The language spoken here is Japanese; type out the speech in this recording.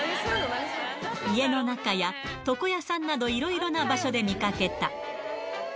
家の中や、床屋さんなど、いろいろな場所で見かけた。